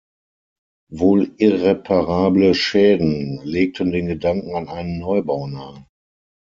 Wohl irreparable Schäden legten den Gedanken an einen Neubau nahe.